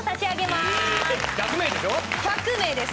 １００名です。